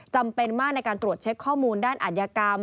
จำเป็นมากในการตรวจเช็คข้อมูลด้านอัธยกรรม